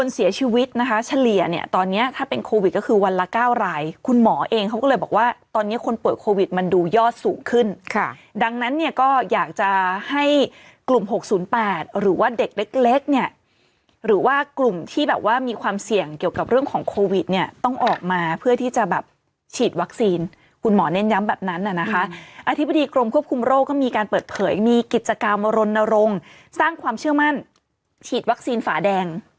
สูงขึ้นค่ะดังนั้นเนี่ยก็อยากจะให้กลุ่มหกศูนย์แปดหรือว่าเด็กเล็กเล็กเนี่ยหรือว่ากลุ่มที่แบบว่ามีความเสี่ยงเกี่ยวกับเรื่องของโควิดเนี่ยต้องออกมาเพื่อที่จะแบบฉีดวัคซีนคุณหมอเน่นย้ำแบบนั้นอ่ะนะคะอธิบดีกรมควบคุมโรคก็มีการเปิดเผยมีกิจกรรมรณรงค์สร้างความเชื่อมั่นฉีดวั